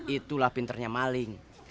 itulah pinternya maling